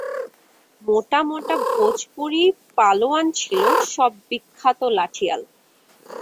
মোটামোটা ভোজপুরী পালোয়ান ছিল, সব বিখ্যাত লাঠিয়াল।